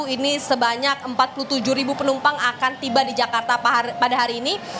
ini sebanyak empat puluh tujuh ribu penumpang akan tiba di jakarta pada hari ini